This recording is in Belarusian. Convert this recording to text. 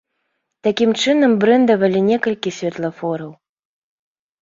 Такім чынам брэндавалі некалькі святлафораў.